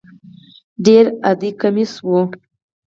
ډېر عادي کمیس و.